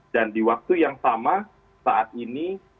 dan di waktu yang sama saat ini